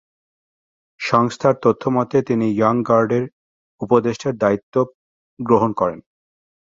সংস্থার তথ্যমতে তিনি ইয়ং গার্ডের উপদেষ্টার দায়িত্ব গ্রহণ করেন।